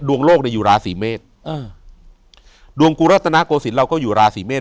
ดวงโลกได้อยู่ราศีเมษดวงกุรัฐนาโกศิลป์เราก็อยู่ราศีเมษ